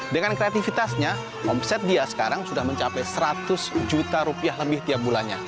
dengan kreativitasnya omset dia sekarang sudah mencapai seratus juta rupiah lebih tiap bulannya